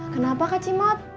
kenapa kak cimot